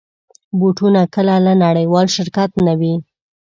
بوټونه کله له نړېوال شرکت نه وي.